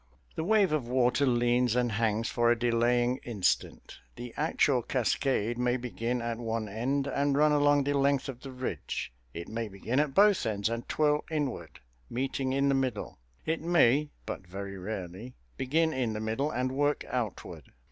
The wave of water leans and hangs for a delaying instant. The actual cascade may begin at one end and run along the length of the ridge; it may begin at both ends and twirl inward, meeting in the middle; it may (but very rarely) begin in the middle and work outward.